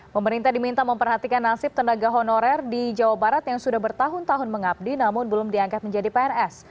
pemerintah diminta memperhatikan nasib tenaga honorer di jawa barat yang sudah bertahun tahun mengabdi namun belum diangkat menjadi pns